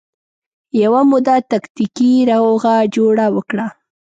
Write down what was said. یوه موده تکتیکي روغه جوړه وکړه